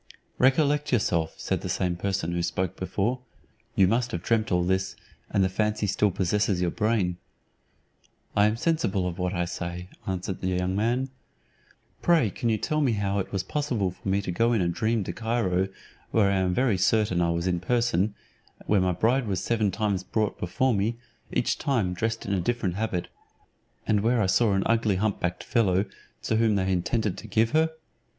"Recollect yourself," said the same person who spoke before; "you must have dreamt all this, and the fancy still possesses your brain." "I am sensible of what I say," answered the young man. "Pray can you tell me how it was possible for me to go in a dream to Cairo, where I am very certain I was in person, and where my bride was seven times brought before me, each time dressed in a different habit, and where I saw an ugly hump backed fellow, to whom they intended to give her?